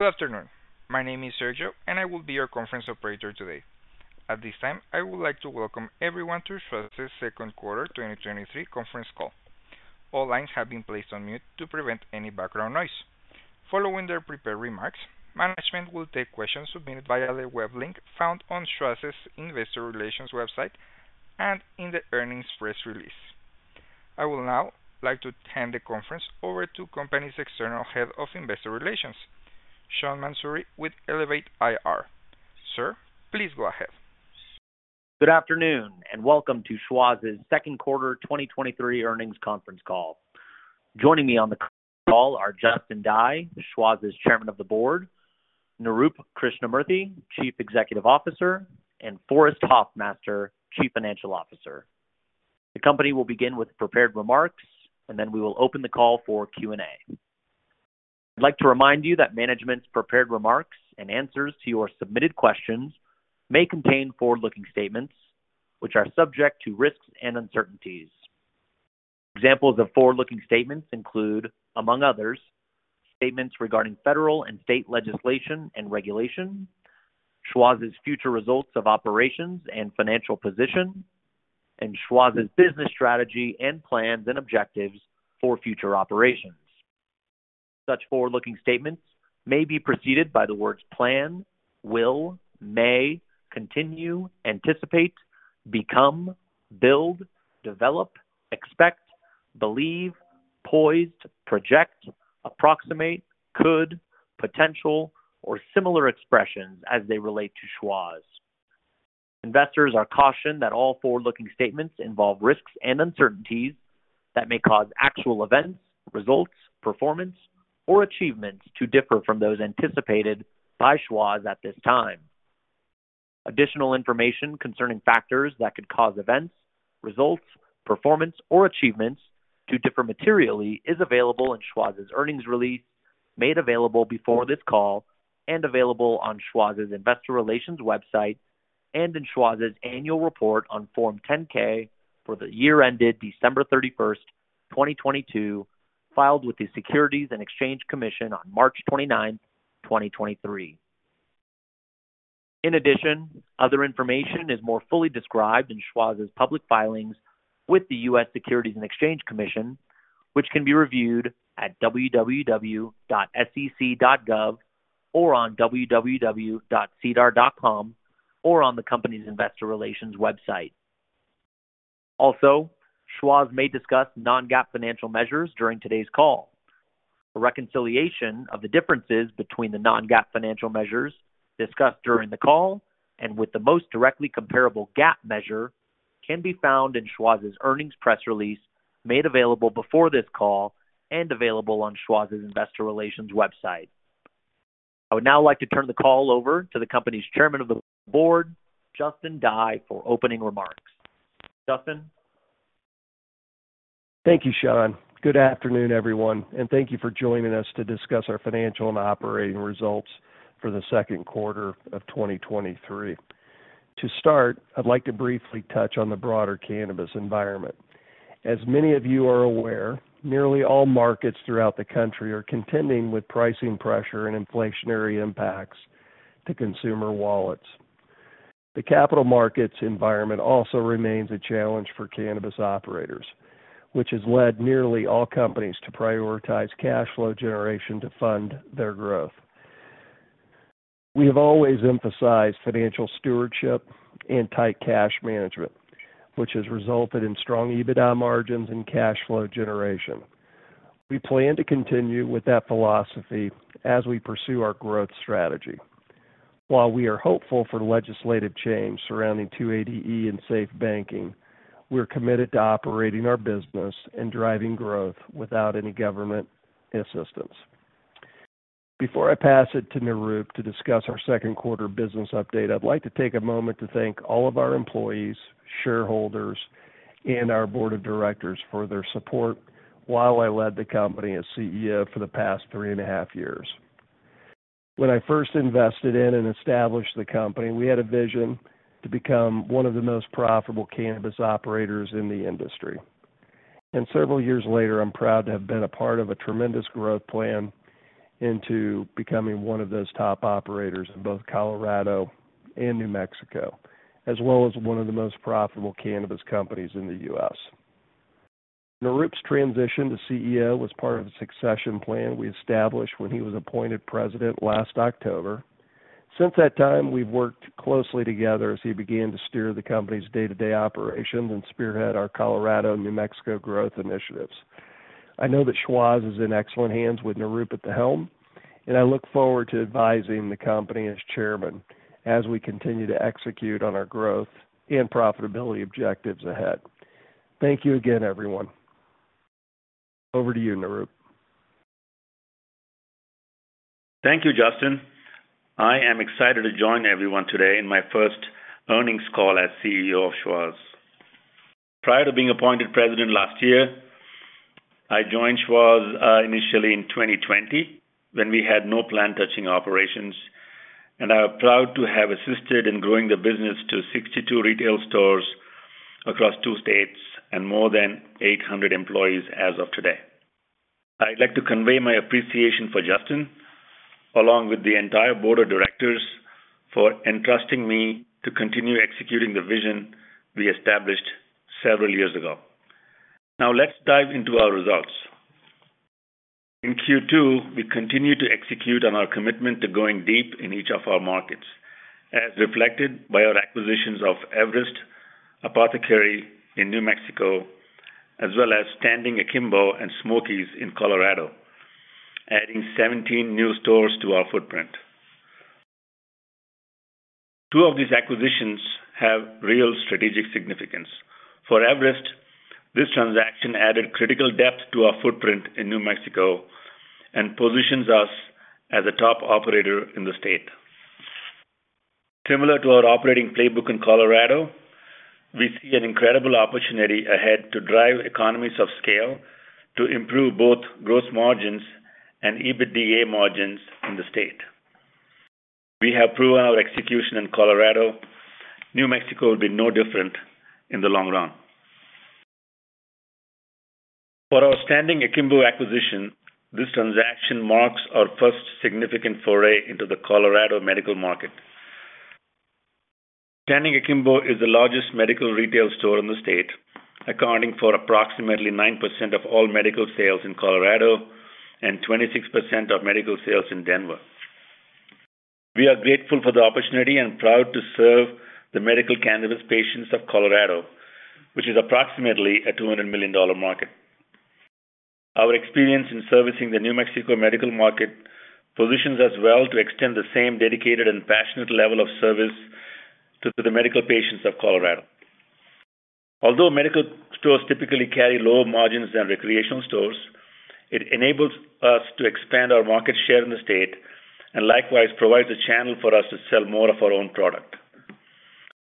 Good afternoon. My name is Sergio, and I will be your conference operator today. At this time, I would like to welcome everyone to Schwazze's second quarter 2023 conference call. All lines have been placed on mute to prevent any background noise. Following their prepared remarks, management will take questions submitted via the web link found on Schwazze's Investor Relations website and in the earnings press release. I will now like to hand the conference over to company's external head of Investor Relations, Sean Mansouri, with Elevate IR. Sir, please go ahead. Good afternoon, welcome to Schwazze's second quarter 2023 earnings conference call. Joining me on the call are Justin Dye, Schwazze's Chairman of the Board, Nirup Krishnamurthy, Chief Executive Officer, and Forrest Hoffmaster, Chief Financial Officer. The company will begin with prepared remarks, then we will open the call for Q&A. I'd like to remind you that management's prepared remarks and answers to your submitted questions may contain forward-looking statements, which are subject to risks and uncertainties. Examples of forward-looking statements include, among others, statements regarding federal and state legislation and regulation, Schwazze's future results of operations and financial position, and Schwazze's business strategy and plans and objectives for future operations. Such forward-looking statements may be preceded by the words plan, will, may, continue, anticipate, become, build, develop, expect, believe, poised, project, approximate, could, potential, or similar expressions as they relate to Schwazze. Investors are cautioned that all forward-looking statements involve risks and uncertainties that may cause actual events, results, performance, or achievements to differ from those anticipated by Schwazze at this time. Additional information concerning factors that could cause events, results, performance, or achievements to differ materially, is available in Schwazze's earnings release, made available before this call, and available on Schwazze's Investor Relations website and in Schwazze's annual report on Form 10-K for the year ended December 31st, 2022, filed with the Securities and Exchange Commission on March 29th, 2023. In addition, other information is more fully described in Schwazze's public filings with the U.S. Securities and Exchange Commission, which can be reviewed at www.sec.gov or on www.sedar.com or on the company's investor relations website. Also, Schwazze may discuss non-GAAP financial measures during today's call. A reconciliation of the differences between the non-GAAP financial measures discussed during the call and with the most directly comparable GAAP measure can be found in Schwazze's earnings press release, made available before this call and available on Schwazze's Investor Relations website. I would now like to turn the call over to the company's Chairman of the Board, Justin Dye, for opening remarks. Justin? Thank you, Sean. Good afternoon, everyone, and thank you for joining us to discuss our financial and operating results for the second quarter of 2023. To start, I'd like to briefly touch on the broader cannabis environment. As many of you are aware, nearly all markets throughout the country are contending with pricing pressure and inflationary impacts to consumer wallets. The capital markets environment also remains a challenge for cannabis operators, which has led nearly all companies to prioritize cash flow generation to fund their growth. We have always emphasized financial stewardship and tight cash management, which has resulted in strong EBITDA margins and cash flow generation. We plan to continue with that philosophy as we pursue our growth strategy. While we are hopeful for legislative change surrounding 280E and SAFE Banking, we're committed to operating our business and driving growth without any government assistance. Before I pass it to Nirup to discuss our second quarter business update, I'd like to take a moment to thank all of our employees, shareholders, and our board of directors for their support while I led the company as CEO for the past three and a half years. When I first invested in and established the company, we had a vision to become one of the most profitable cannabis operators in the industry. Several years later, I'm proud to have been a part of a tremendous growth plan into becoming one of those top operators in both Colorado and New Mexico, as well as one of the most profitable cannabis companies in the U.S. Nirup's transition to CEO was part of the succession plan we established when he was appointed president last October. Since that time, we've worked closely together as he began to steer the company's day-to-day operations and spearhead our Colorado and New Mexico growth initiatives. I know that Schwazze is in excellent hands with Nirup at the helm, I look forward to advising the company as chairman as we continue to execute on our growth and profitability objectives ahead. Thank you again, everyone. Over to you, Nirup. Thank you, Justin. I am excited to join everyone today in my first earnings call as CEO of Schwazze. Prior to being appointed president last year, I joined Schwazze, initially in 2020, when we had no plant-touching operations and I am proud to have assisted in growing the business to 62 retail stores across two states and more than 800 employees as of today. I'd like to convey my appreciation for Justin, along with the entire board of directors, for entrusting me to continue executing the vision we established several years ago. Now, let's dive into our results. In Q2, we continued to execute on our commitment to going deep in each of our markets, as reflected by our acquisitions of Everest Apothecary in New Mexico, as well as Standing Akimbo and Smokey's in Colorado, adding 17 new stores to our footprint. Two of these acquisitions have real strategic significance. For Everest, this transaction added critical depth to our footprint in New Mexico and positions us as a top operator in the state. Similar to our operating playbook in Colorado, we see an incredible opportunity ahead to drive economies of scale to improve both gross margins and EBITDA margins in the state. We have proven our execution in Colorado. New Mexico will be no different in the long run. For our Standing Akimbo acquisition, this transaction marks our first significant foray into the Colorado medical market. Standing Akimbo is the largest medical retail store in the state, accounting for approximately 9% of all medical sales in Colorado and 26% of medical sales in Denver. We are grateful for the opportunity and proud to serve the medical cannabis patients of Colorado, which is approximately a $200 million market. Our experience in servicing the New Mexico medical market positions us well to extend the same dedicated and passionate level of service to the medical patients of Colorado. Although medical stores typically carry lower margins than recreational stores, it enables us to expand our market share in the state and likewise provides a channel for us to sell more of our own product.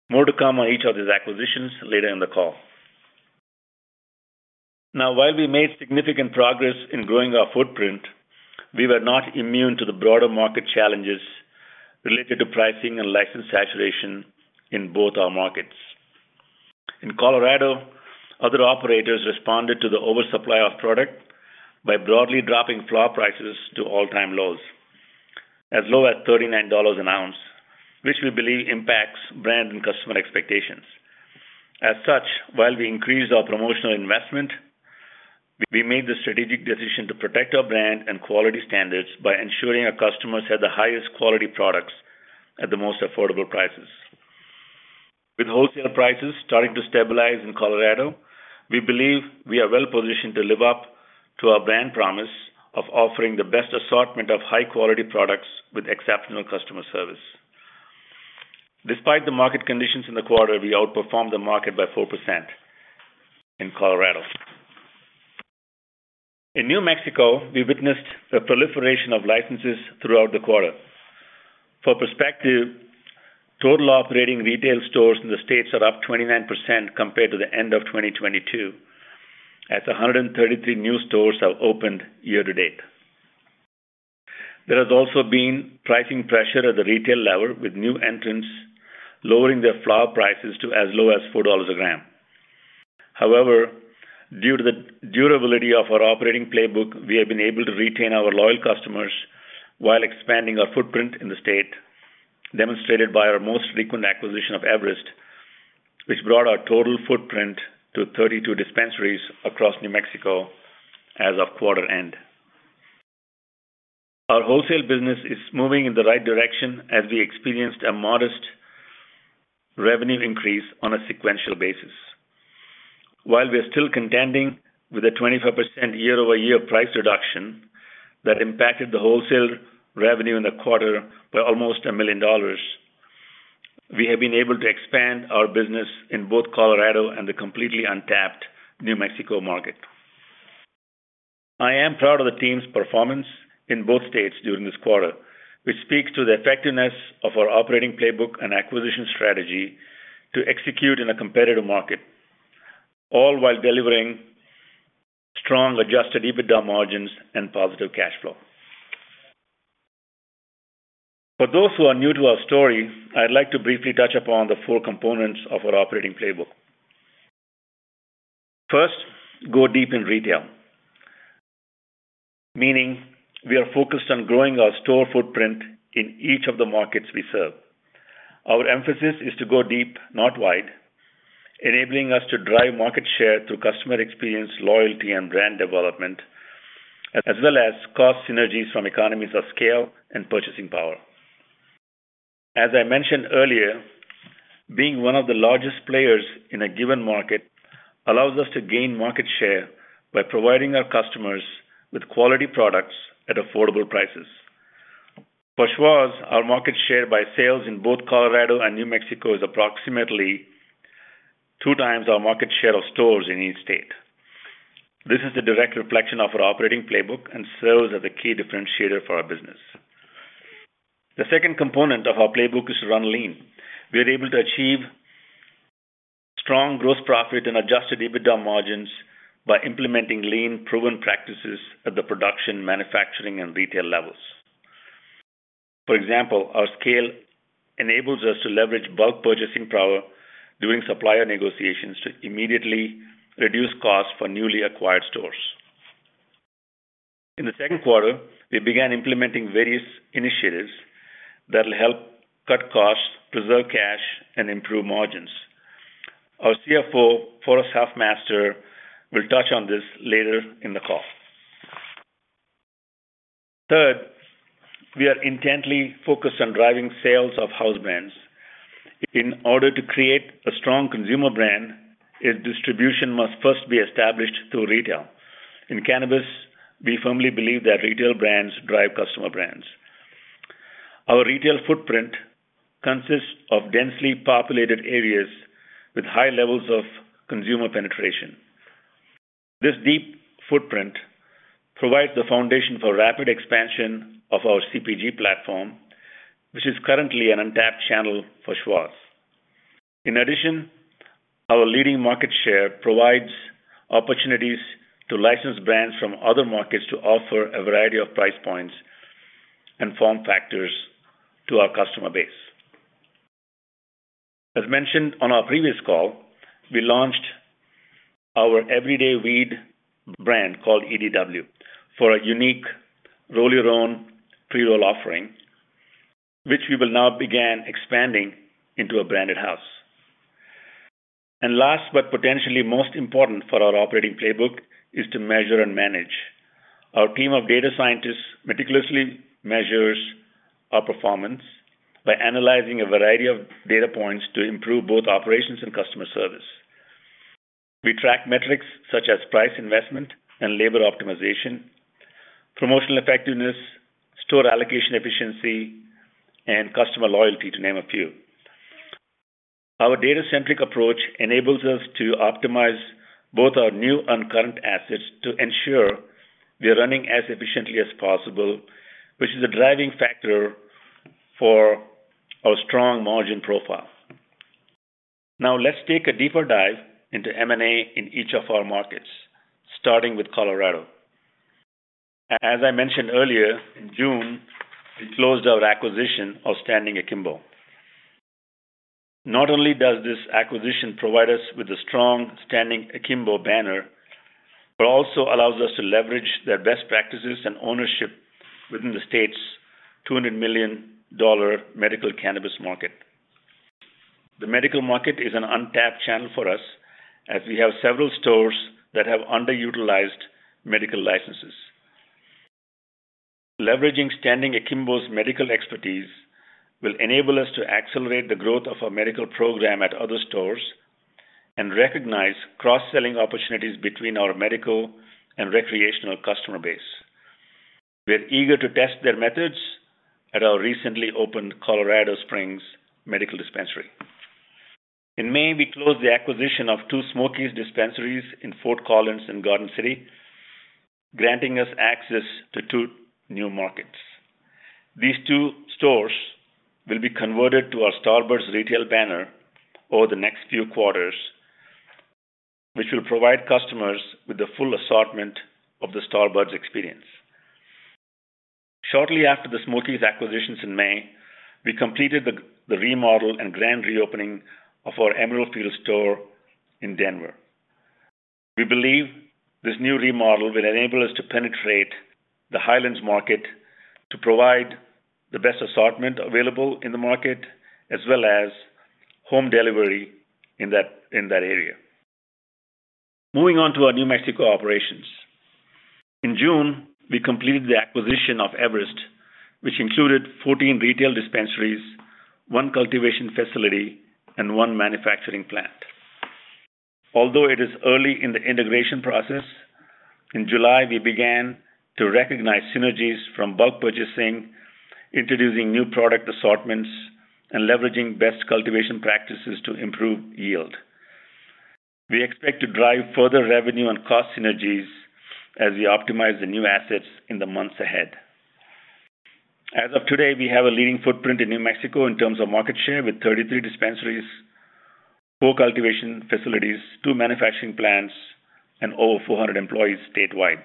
More to come on each of these acquisitions later in the call. Now, while we made significant progress in growing our footprint, we were not immune to the broader market challenges related to pricing and license saturation in both our markets. In Colorado, other operators responded to the oversupply of product by broadly dropping flower prices to all-time lows, as low as $39 an ounce, which we believe impacts brand and customer expectations. As such, while we increased our promotional investment, we made the strategic decision to protect our brand and quality standards by ensuring our customers had the highest quality products at the most affordable prices. With wholesale prices starting to stabilize in Colorado, we believe we are well-positioned to live up to our brand promise of offering the best assortment of high-quality products with exceptional customer service. Despite the market conditions in the quarter, we outperformed the market by 4% in Colorado. In New Mexico, we witnessed the proliferation of licenses throughout the quarter. For perspective, total operating retail stores in the state are up 29% compared to the end of 2022, as 133 new stores have opened year to date. There has also been pricing pressure at the retail level, with new entrants lowering their flower prices to as low as $4 g. However, due to the durability of our operating playbook, we have been able to retain our loyal customers while expanding our footprint in the state, demonstrated by our most recent acquisition of Everest, which brought our total footprint to 32 dispensaries across New Mexico as of quarter end. Our wholesale business is moving in the right direction as we experienced a modest revenue increase on a sequential basis. While we are still contending with a 25% year-over-year price reduction that impacted the wholesale revenue in the quarter by almost $1 million, we have been able to expand our business in both Colorado and the completely untapped New Mexico market. I am proud of the team's performance in both states during this quarter, which speaks to the effectiveness of our operating playbook and acquisition strategy to execute in a competitive market, all while delivering strong Adjusted EBITDA margins and positive cash flow. For those who are new to our story, I'd like to briefly touch upon the four components of our operating playbook. First, go deep in retail, meaning we are focused on growing our store footprint in each of the markets we serve. Our emphasis is to go deep, not wide, enabling us to drive market share through customer experience, loyalty, and brand development, as well as cost synergies from economies of scale and purchasing power. As I mentioned earlier, being one of the largest players in a given market allows us to gain market share by providing our customers with quality products at affordable prices. For Schwazze, our market share by sales in both Colorado and New Mexico is approximately 2x our market share of stores in each state. This is a direct reflection of our operating playbook and serves as a key differentiator for our business. The second component of our playbook is to run lean. We are able to achieve strong gross profit and Adjusted EBITDA margins by implementing lean, proven practices at the production, manufacturing, and retail levels. For example, our scale enables us to leverage bulk purchasing power during supplier negotiations to immediately reduce costs for newly acquired stores. In the second quarter, we began implementing various initiatives that'll help cut costs, preserve cash, and improve margins. Our CFO, Forrest Hoffmaster, will touch on this later in the call. Third, we are intently focused on driving sales of house brands. In order to create a strong consumer brand, its distribution must first be established through retail. In cannabis, we firmly believe that retail brands drive customer brands. Our retail footprint consists of densely populated areas with high levels of consumer penetration. This deep footprint provides the foundation for rapid expansion of our CPG platform, which is currently an untapped channel for Schwazze. In addition, our leading market share provides opportunities to license brands from other markets to offer a variety of price points and form factors to our customer base. As mentioned on our previous call, we launched our EveryDay Weed brand, called EDW, for a unique roll-your-own pre-roll offering, which we will now begin expanding into a branded house. Last, but potentially most important for our operating playbook, is to measure and manage. Our team of data scientists meticulously measures our performance by analyzing a variety of data points to improve both operations and customer service. We track metrics such as price investment and labor optimization, promotional effectiveness, store allocation efficiency, and customer loyalty, to name a few. Our data-centric approach enables us to optimize both our new and current assets to ensure we are running as efficiently as possible, which is a driving factor for our strong margin profile. Now, let's take a deeper dive into M&A in each of our markets, starting with Colorado. As I mentioned earlier, in June, we closed our acquisition of Standing Akimbo. Not only does this acquisition provide us with a strong Standing Akimbo banner, but also allows us to leverage their best practices and ownership within the state's $200 million medical cannabis market. The medical market is an untapped channel for us, as we have several stores that have underutilized medical licenses. Leveraging Standing Akimbo's medical expertise will enable us to accelerate the growth of our medical program at other stores and recognize cross-selling opportunities between our medical and recreational customer base. We're eager to test their methods at our recently opened Colorado Springs medical dispensary. In May, we closed the acquisition of two Smokey's dispensaries in Fort Collins and Garden City, granting us access to two new markets. These two stores will be converted to our Star Buds retail banner over the next few quarters, which will provide customers with the full assortment of the Star Buds experience. Shortly after the Smokey's acquisitions in May, we completed the remodel and grand reopening of our Emerald Fields store in Denver. We believe this new remodel will enable us to penetrate the Highlands market, to provide the best assortment available in the market, as well as home delivery in that, in that area. Moving on to our New Mexico operations. In June, we completed the acquisition of Everest, which included 14 retail dispensaries, one cultivation facility, and one manufacturing plant. Although it is early in the integration process, in July, we began to recognize synergies from bulk purchasing, introducing new product assortments, and leveraging best cultivation practices to improve yield. We expect to drive further revenue and cost synergies as we optimize the new assets in the months ahead. As of today, we have a leading footprint in New Mexico in terms of market share, with 33 dispensaries, four cultivation facilities, two manufacturing plants, and over 400 employees statewide.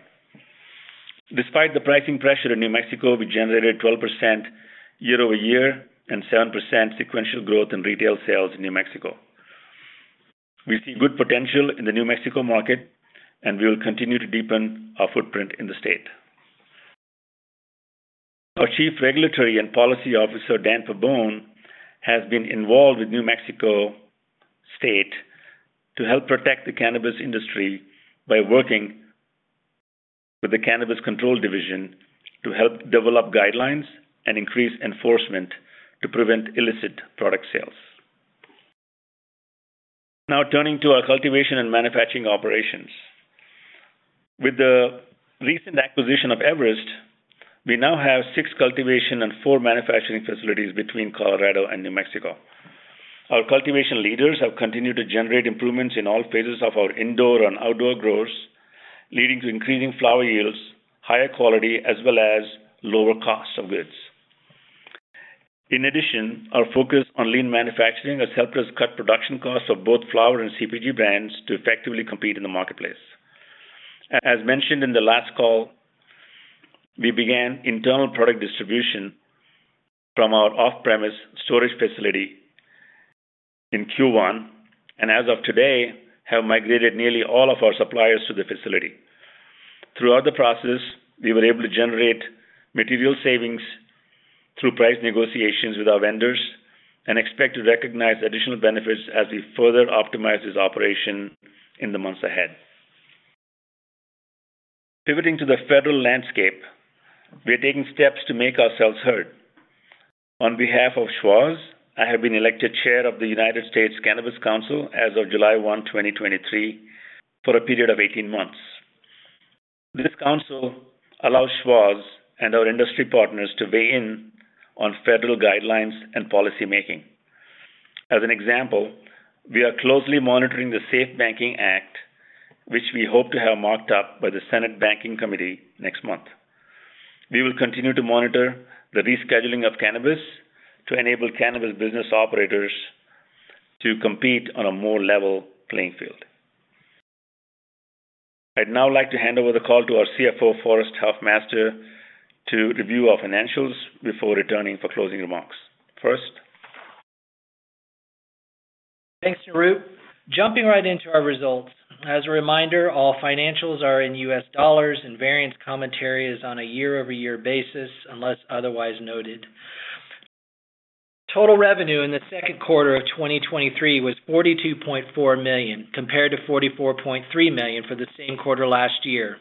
Despite the pricing pressure in New Mexico, we generated 12% year-over-year and 7% sequential growth in retail sales in New Mexico. We see good potential in the New Mexico market, we will continue to deepen our footprint in the state. Our Chief Regulatory and Policy Officer, Dan Pabon, has been involved with New Mexico State to help protect the cannabis industry by working with the Cannabis Control Division to help develop guidelines and increase enforcement to prevent illicit product sales. Now turning to our cultivation and manufacturing operations. With the recent acquisition of Everest, we now have six cultivation and four manufacturing facilities between Colorado and New Mexico. Our cultivation leaders have continued to generate improvements in all phases of our indoor and outdoor growers, leading to increasing flower yields, higher quality, as well as lower costs of goods. In addition, our focus on lean manufacturing has helped us cut production costs of both flower and CPG brands to effectively compete in the marketplace. As mentioned in the last call, we began internal product distribution from our off-premise storage facility in Q1, and as of today, have migrated nearly all of our suppliers to the facility. Throughout the process, we were able to generate material savings through price negotiations with our vendors and expect to recognize additional benefits as we further optimize this operation in the months ahead. Pivoting to the federal landscape, we are taking steps to make ourselves heard. On behalf of Schwazze, I have been elected chair of the United States Cannabis Council as of July 1, 2023, for a period of 18 months. This council allows Schwazze and our industry partners to weigh in on federal guidelines and policymaking. As an example, we are closely monitoring the SAFE Banking Act, which we hope to have marked up by the Senate Banking Committee next month. We will continue to monitor the rescheduling of cannabis to enable cannabis business operators to compete on a more level playing field. I'd now like to hand over the call to our CFO, Forrest Hoffmaster, to review our financials before returning for closing remarks. Forrest? Thanks, Nirup. Jumping right into our results. As a reminder, all financials are in US dollars, and variance commentary is on a year-over-year basis, unless otherwise noted. Total revenue in the second quarter of 2023 was $42.4 million, compared to $44.3 million for the same quarter last year.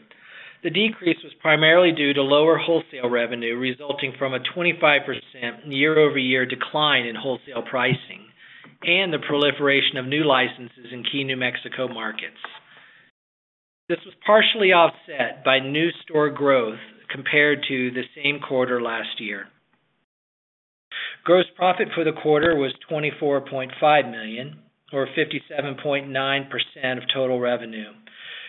The decrease was primarily due to lower wholesale revenue, resulting from a 25% year-over-year decline in wholesale pricing and the proliferation of new licenses in key New Mexico markets. This was partially offset by new store growth compared to the same quarter last year. Gross profit for the quarter was $24.5 million, or 57.9% of total revenue,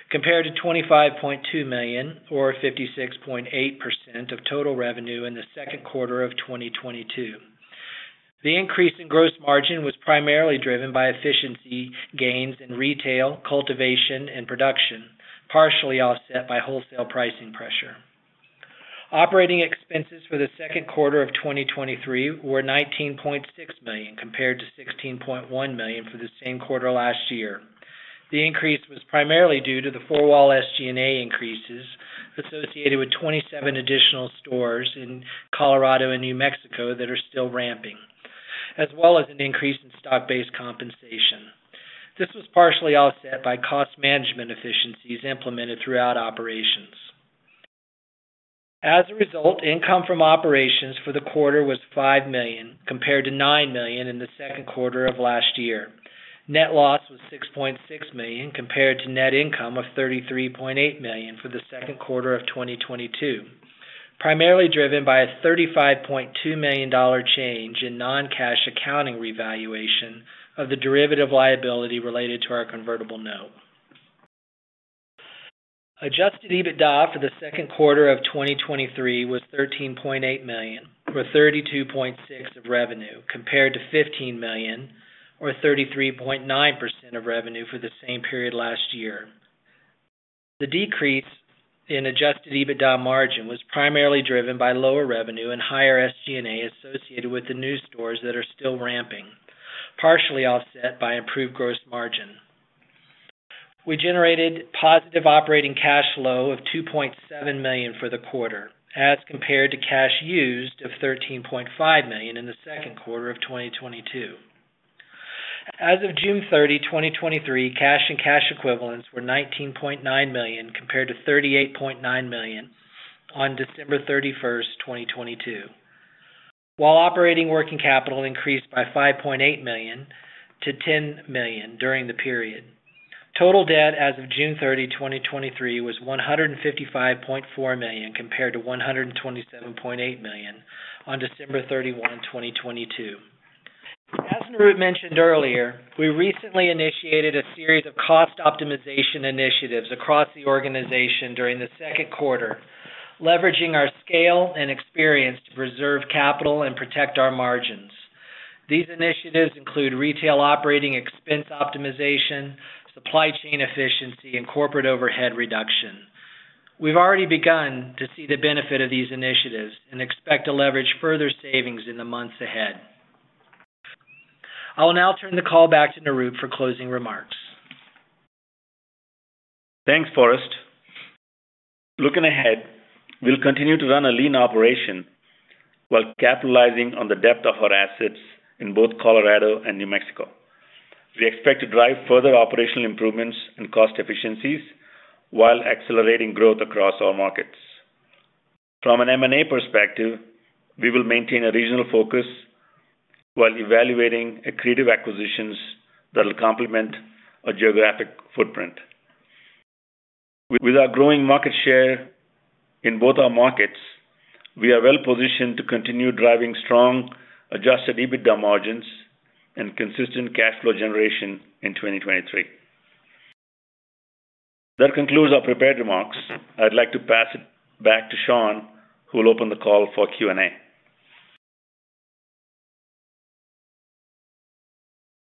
compared to $25.2 million, or 56.8% of total revenue in the second quarter of 2022. The increase in gross margin was primarily driven by efficiency gains in retail, cultivation, and production, partially offset by wholesale pricing pressure. Operating expenses for the second quarter of 2023 were $19.6 million, compared to $16.1 million for the same quarter last year. The increase was primarily due to the four-wall SG&A increases associated with 27 additional stores in Colorado and New Mexico that are still ramping, as well as an increase in stock-based compensation. This was partially offset by cost management efficiencies implemented throughout operations. As a result, income from operations for the quarter was $5 million, compared to $9 million in the second quarter of last year. Net loss was $6.6 million, compared to net income of $33.8 million for the second quarter of 2022, primarily driven by a $35.2 million change in non-cash accounting revaluation of the derivative liability related to our convertible note. Adjusted EBITDA for the second quarter of 2023 was $13.8 million, or 32.6% of revenue, compared to $15 million, or 33.9% of revenue for the same period last year. The decrease in Adjusted EBITDA margin was primarily driven by lower revenue and higher SG&A associated with the new stores that are still ramping, partially offset by improved gross margin. We generated positive operating cash flow of $2.7 million for the quarter, as compared to cash used of $13.5 million in the second quarter of 2022. As of June 30, 2023, cash and cash equivalents were $19.9 million, compared to $38.9 million on December 31st, 2022, while operating working capital increased by $5.8 to 10 million during the period. Total debt as of June 30, 2023, was $155.4 million, compared to $127.8 million on December 31, 2022. As Nirup mentioned earlier, we recently initiated a series of cost optimization initiatives across the organization during the second quarter, leveraging our scale and experience to preserve capital and protect our margins. These initiatives include retail operating expense optimization, supply chain efficiency, and corporate overhead reduction. We've already begun to see the benefit of these initiatives and expect to leverage further savings in the months ahead. I will now turn the call back to Nirup for closing remarks. Thanks, Forrest. Looking ahead, we'll continue to run a lean operation while capitalizing on the depth of our assets in both Colorado and New Mexico. We expect to drive further operational improvements and cost efficiencies while accelerating growth across all markets. From an M&A perspective, we will maintain a regional focus while evaluating accretive acquisitions that will complement our geographic footprint. With our growing market share in both our markets, we are well positioned to continue driving strong Adjusted EBITDA margins and consistent cash flow generation in 2023. That concludes our prepared remarks. I'd like to pass it back to Sean, who will open the call for Q&A.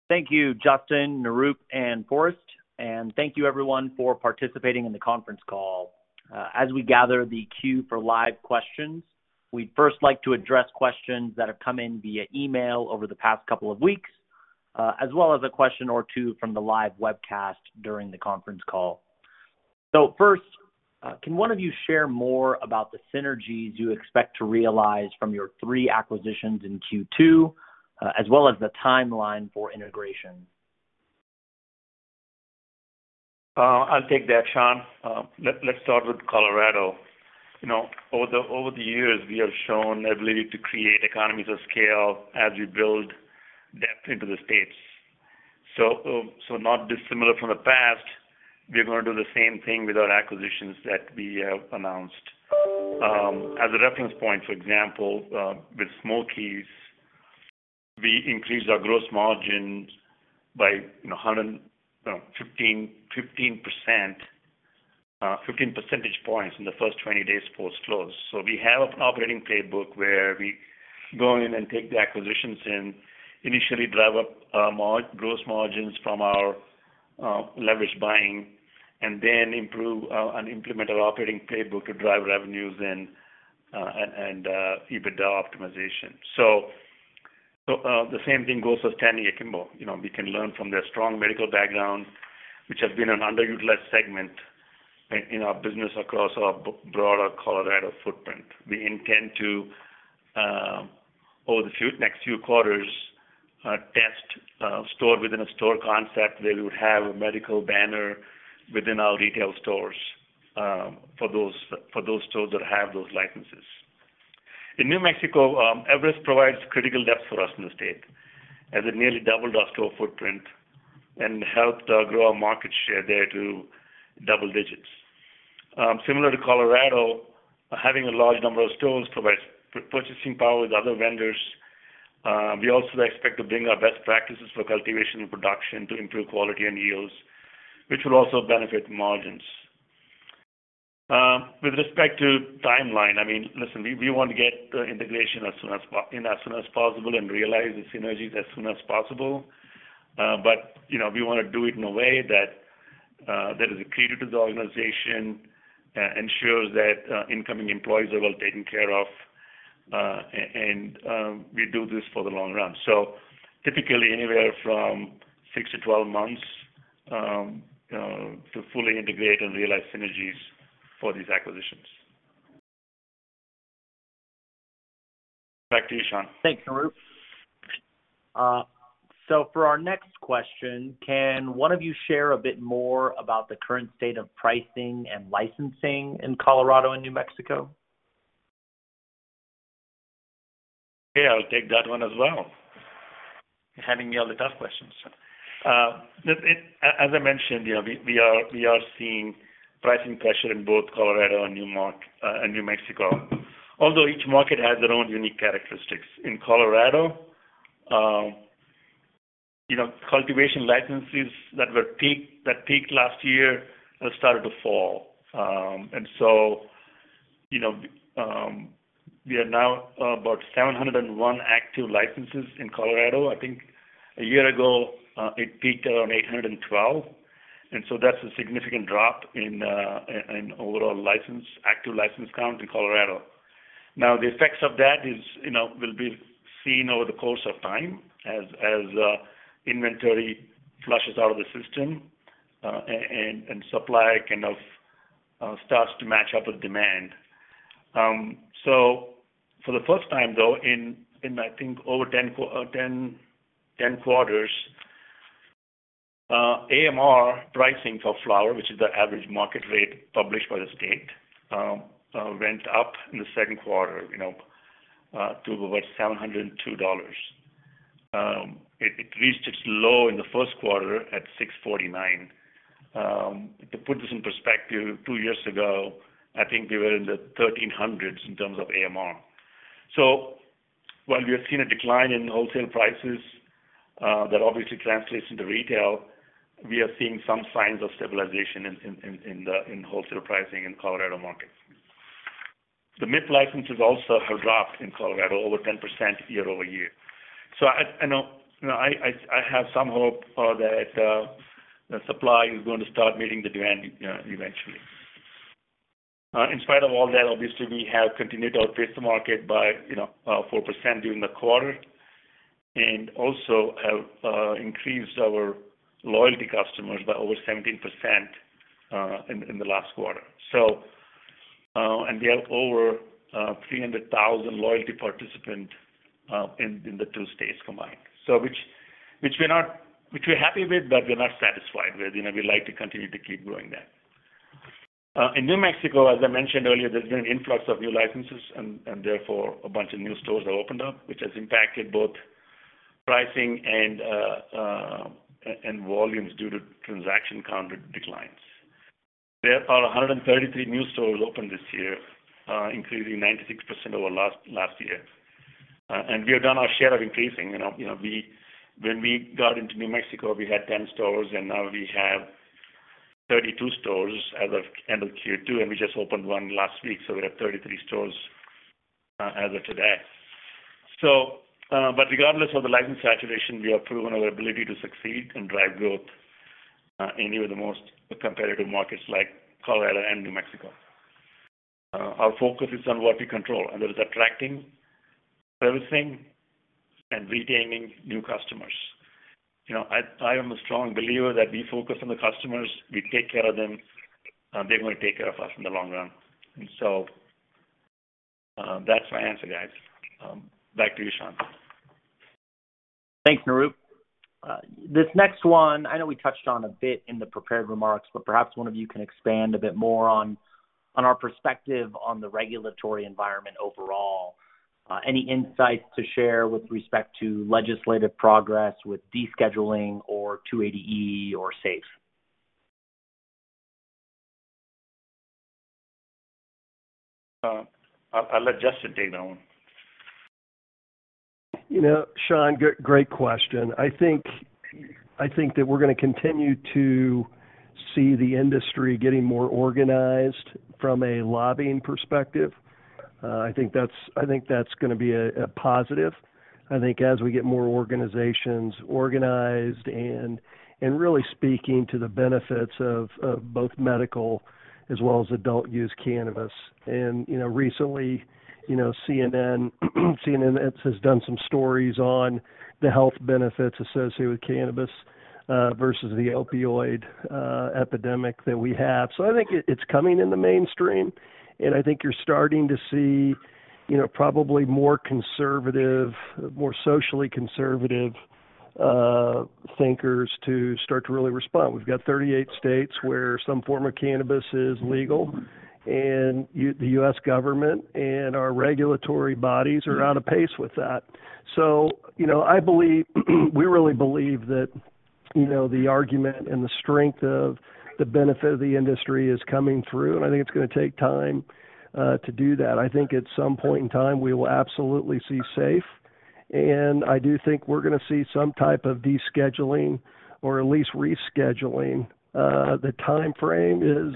Thank you, Justin, Nirup, and Forrest, and thank you everyone for participating in the conference call. As we gather the queue for live questions, we'd first like to address questions that have come in via email over the past couple of weeks, as well as a question or two from the live webcast during the conference call. First, can one of you share more about the synergies you expect to realize from your three acquisitions in Q2, as well as the timeline for integration? I'll take that, Sean. Let's start with Colorado. You know, over the, over the years, we have shown the ability to create economies of scale as we build depth into the states. Not dissimilar from the past, we're gonna do the same thing with our acquisitions that we have announced. As a reference point, for example, with Smokey's, we increased our gross margins by, you know, 15 percentage points in the first 20 days post-close. We have an operating playbook where we go in and take the acquisitions and initially drive up gross margins from our leverage buying, and then improve and implement our operating playbook to drive revenues and EBITDA optimization. The same thing goes for Standing Akimbo. You know, we can learn from their strong medical background, which has been an underutilized segment in, in our business across our broader Colorado footprint. We intend to, over the next few quarters, test a store-within-a-store concept, where we would have a medical banner within our retail stores, for those, for those stores that have those licenses. In New Mexico, Everest provides critical depth for us in the state, as it nearly doubled our store footprint and helped grow our market share there to double digits. Similar to Colorado, having a large number of stores provides purchasing power with other vendors. We also expect to bring our best practices for cultivation and production to improve quality and yields, which will also benefit margins. With respect to timeline, I mean, listen, we, we want to get integration in as soon as possible and realize the synergies as soon as possible. You know, we wanna do it in a way that is accretive to the organization, ensures that incoming employees are well taken care of, and, and we do this for the long run. Typically, anywhere from six to 12 months to fully integrate and realize synergies for these acquisitions. Back to you, Sean. Thanks, Nirup. For our next question, can one of you share a bit more about the current state of pricing and licensing in Colorado and New Mexico? Yeah, I'll take that one as well. You're handing me all the tough questions. It, as I mentioned, we are seeing pricing pressure in both Colorado and New Mexico, although each market has their own unique characteristics. In Colorado, cultivation licenses that were peaked, that peaked last year have started to fall. We are now about 701 active licenses in Colorado. I think a year ago, it peaked around 812, and so that's a significant drop in overall license, active license count in Colorado. Now, the effects of that is, you know, will be seen over the course of time, as, as inventory flushes out of the system, and, and, and supply kind of, starts to match up with demand. So for the first time, though, in, in, I think, over 10 quarters, AMR pricing for flower, which is the average market rate published by the state, went up in the second quarter, you know, to about $702. It, it reached its low in the first quarter at $649. To put this in perspective, two years ago, I think we were in the 1,300s in terms of AMR. While we have seen a decline in wholesale prices, that obviously translates into retail, we are seeing some signs of stabilizatio in wholesale pricing in Colorado markets. The MIP licenses also have dropped in Colorado, over 10% year-over-year. I, I know, you know, I, I, I have some hope that the supply is going to start meeting the demand eventually. In spite of all that, obviously, we have continued to outpace the market by, you know, 4% during the quarter, and also have increased our loyalty customers by over 17% in, in the last quarter. And we have over 300,000 loyalty participants in, in the two states combined. Which, which we're not... Which we're happy with, but we're not satisfied with. You know, we'd like to continue to keep growing that. In New Mexico, as I mentioned earlier, there's been an influx of new licenses, and, and therefore, a bunch of new stores have opened up, which has impacted both pricing and volumes due to transaction count declines. There are 133 new stores opened this year, increasing 96% over last, last year. We have done our share of increasing, you know. You know, we, when we got into New Mexico, we had 10 stores, and now we have 32 stores as of end of Q2, and we just opened one last week, so we have 33 stores as of today. Regardless of the license saturation, we have proven our ability to succeed and drive growth in even the most competitive markets like Colorado and New Mexico. Our focus is on what we control, and that is attracting, servicing, and retaining new customers. You know, I, I am a strong believer that we focus on the customers, we take care of them, they're gonna take care of us in the long run. So, that's my answer, guys. Back to you, Sean. Thanks, Nirup. This next one, I know we touched on a bit in the prepared remarks, but perhaps one of you can expand a bit more on our perspective on the regulatory environment overall. Any insights to share with respect to legislative progress with descheduling or 280E or SAFE? I'll let Justin take that one. You know, Sean, great question. I think, I think that we're gonna continue to see the industry getting more organized from a lobbying perspective. I think that's, I think that's gonna be a, a positive, I think, as we get more organizations organized and, and really speaking to the benefits of, of both medical as well as adult use cannabis. You know, recently, you know, CNN, CNN has done some stories on the health benefits associated with cannabis, versus the opioid, epidemic that we have. I think it, it's coming in the mainstream, and I think you're starting to see, you know, probably more conservative, more socially conservative, thinkers to start to really respond. We've got 38 states where some form of cannabis is legal, and the U.S. government and our regulatory bodies are out of pace with that. You know, I believe, we really believe that, you know, the argument and the strength of the benefit of the industry is coming through, and I think it's gonna take time, to do that. I think at some point in time, we will absolutely see SAFE, and I do think we're gonna see some type of descheduling or at least rescheduling. The timeframe is,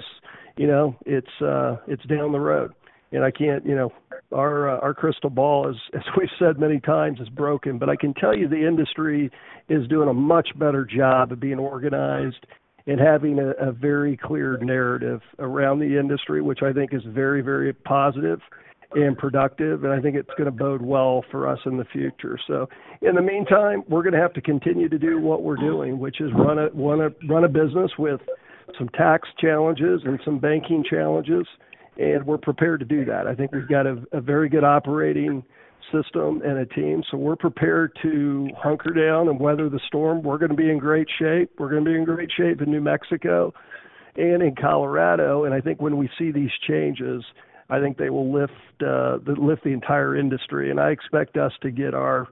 you know, it's, it's down the road. I can't, you know... Our crystal ball is, as we've said many times, is broken. I can tell you, the industry is doing a much better job of being organized and having a very clear narrative around the industry, which I think is very, very positive and productive, and I think it's gonna bode well for us in the future. In the meantime, we're gonna have to continue to do what we're doing, which is run a, run a, run a business with some tax challenges and some banking challenges, and we're prepared to do that. I think we've got a, a very good operating system and a team, so we're prepared to hunker down and weather the storm. We're gonna be in great shape. We're gonna be in great shape in New Mexico and in Colorado, and I think when we see these changes, I think they will lift, lift the entire industry. I expect us to get our,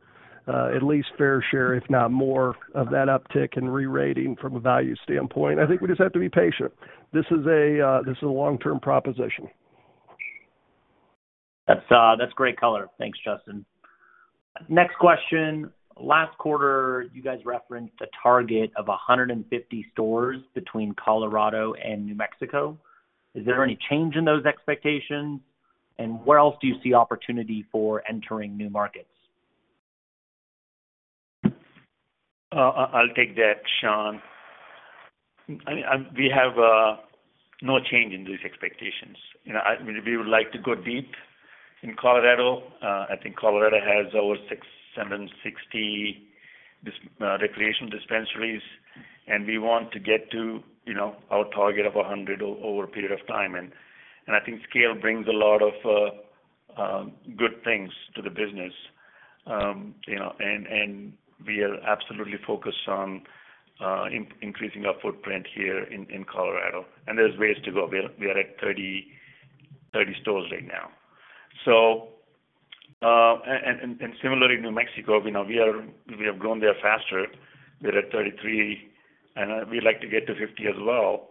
at least fair share, if not more, of that uptick in rerating from a value standpoint. I think we just have to be patient. This is a, this is a long-term proposition. That's, that's great color. Thanks, Justin. Next question: Last quarter, you guys referenced a target of 150 stores between Colorado and New Mexico. Is there any change in those expectations, and where else do you see opportunity for entering new markets? I, I'll take that, Sean. I, I. We have no change in these expectations. You know, we would like to go deep in Colorado. I think Colorado has over 6,760 recreation dispensaries, and we want to get to, you know, our target of 100 over a period of time. I think scale brings a lot of good things to the business. You know, and, and we are absolutely focused on increasing our footprint here in, in Colorado, and there's ways to go. We are, we are at 30, 30 stores right now. Similarly, New Mexico, you know, we have grown there faster. We're at 33, and we'd like to get to 50 as well.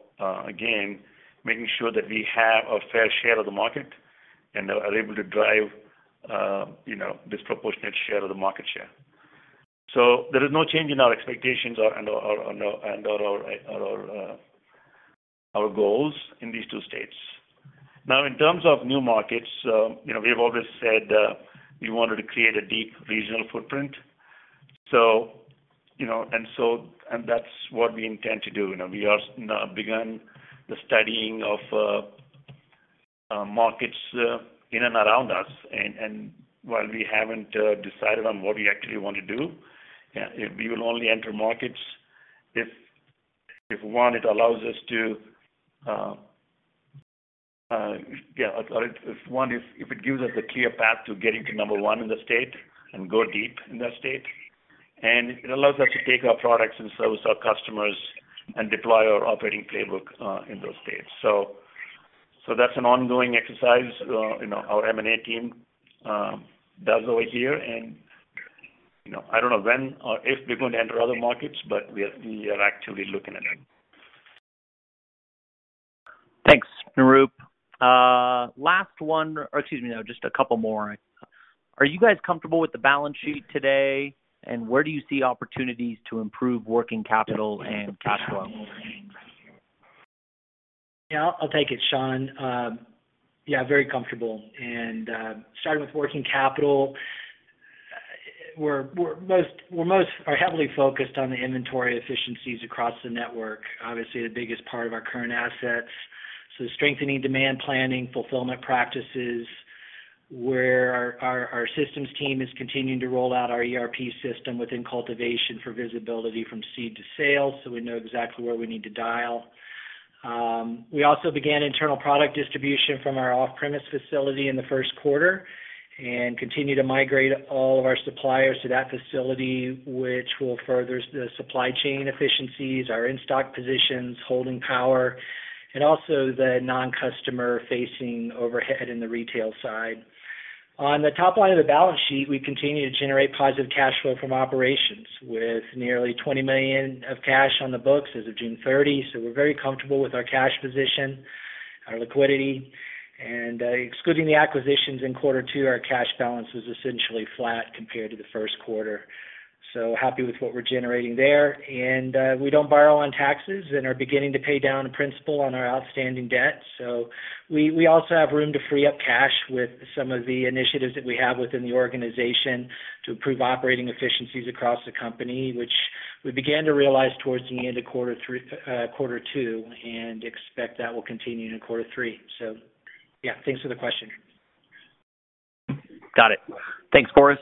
Again, making sure that we have a fair share of the market and are able to drive, you know, disproportionate share of the market share. There is no change in our expectations or, and, or, and our, and our goals in these two states. Now, in terms of new markets, you know, we have always said, we wanted to create a deep regional footprint. You know, and so, and that's what we intend to do. You know, we are begun the studying of markets in and around us. While we haven't decided on what we actually want to do, we will only enter markets if, if one, it allows us to, yeah, if one, if, if it gives us a clear path to getting to number one in the state and go deep in that state, and it allows us to take our products and service our customers and deploy our operating playbook in those states. That's an ongoing exercise, you know, our M&A team does over here. You know, I don't know when or if we're going to enter other markets, but we are, we are actually looking at it. Nirup, last one, or excuse me, no, just a couple more. Are you guys comfortable with the balance sheet today, and where do you see opportunities to improve working capital and cash flow? Yeah, I'll take it, Sean. Yeah, very comfortable. Starting with working capital, we're, we're most, we're most are heavily focused on the inventory efficiencies across the network, obviously, the biggest part of our current assets. Strengthening demand planning, fulfillment practices, where our, our, our systems team is continuing to roll out our ERP system within cultivation for visibility from seed to sale, so we know exactly where we need to dial. We also began internal product distribution from our off-premise facility in the first quarter and continue to migrate all of our suppliers to that facility, which will further the supply chain efficiencies, our in-stock positions, holding power, and also the non-customer-facing overhead in the retail side. On the top line of the balance sheet, we continue to generate positive cash flow from operations, with nearly $20 million of cash on the books as of June 30. We're very comfortable with our cash position, our liquidity, and, excluding the acquisitions in Q2, our cash balance was essentially flat compared to the Q1. Happy with what we're generating there. We don't borrow on taxes and are beginning to pay down the principal on our outstanding debt. We, we also have room to free up cash with some of the initiatives that we have within the organization to improve operating efficiencies across the company, which we began to realize towards the end of Q3, Q2, and expect that will continue into Q3. Yeah, thanks for the question. Got it. Thanks, Forrest.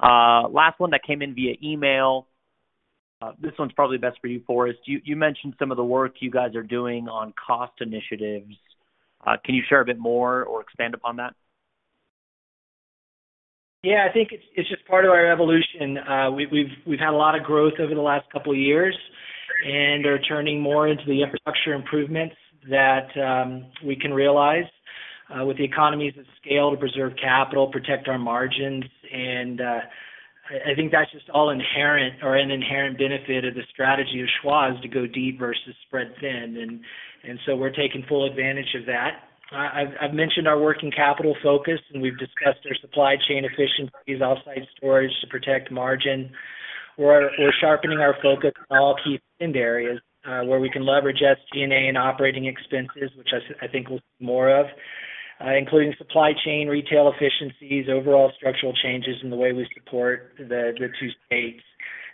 Last one that came in via email. This one's probably best for you, Forrest. You, you mentioned some of the work you guys are doing on cost initiatives. Can you share a bit more or expand upon that? Yeah, I think it's, it's just part of our evolution. We've, we've, we've had a lot of growth over the last couple of years and are turning more into the infrastructure improvements that we can realize with the economies of scale to preserve capital, protect our margins. I, I think that's just all inherent or an inherent benefit of the strategy of Schwazze to go deep versus spread thin. So we're taking full advantage of that. I, I've, I've mentioned our working capital focus, and we've discussed our supply chain efficiencies, offsite storage to protect margin. We're, we're sharpening our focus on all key areas where we can leverage SG&A and operating expenses, which I think we'll see more of, including supply chain, retail efficiencies, overall structural changes in the way we support the, the two states.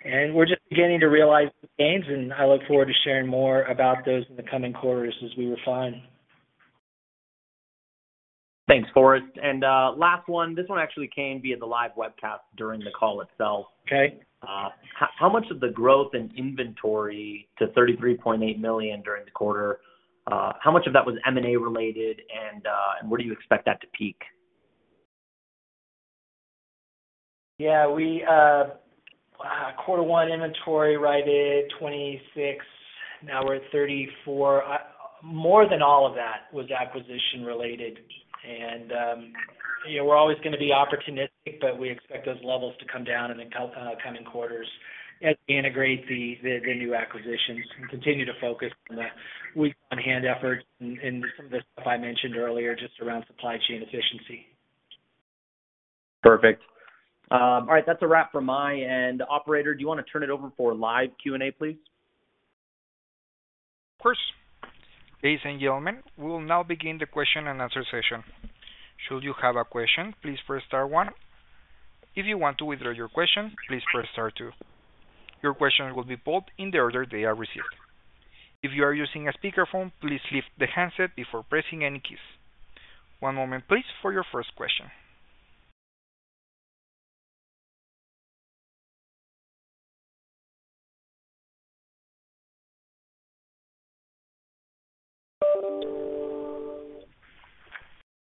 We're just beginning to realize the gains, and I look forward to sharing more about those in the coming quarters as we refine. Thanks, Forrest. Last one. This one actually came via the live webcast during the call itself. Okay. How, how much of the growth in inventory to $33.8 million during the quarter, how much of that was M&A related, and, and where do you expect that to peak? Yeah, we, Q1 inventory right at 26, now we're at 34. More than all of that was acquisition related. you know, we're always gonna be opportunistic, but we expect those levels to come down in the come, coming quarters as we integrate the, the, the new acquisitions and continue to focus on the week on hand efforts and, and some of the stuff I mentioned earlier, just around supply chain efficiency. Perfect. All right, that's a wrap from my end. Operator, do you want to turn it over for live Q&A, please? Of course. Ladies and gentlemen, we will now begin the question-and-answer session. Should you have a question, please press star one. If you want to withdraw your question, please press star two. Your question will be pulled in the order they are received. If you are using a speakerphone, please lift the handset before pressing any keys. One moment, please, for your first question.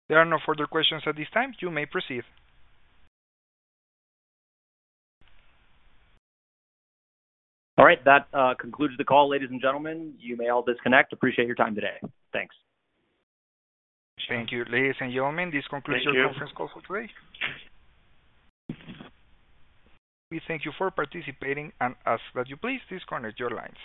There are no further questions at this time. You may proceed. All right. That concludes the call, ladies and gentlemen. You may all disconnect. Appreciate your time today. Thanks. Thank you, ladies and gentlemen. Thank you. This concludes your conference call for today. We thank you for participating and ask that you please disconnect your lines.